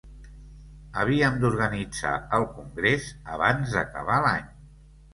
Havíem d'organitzar el Congrés abans d'acabar l'any.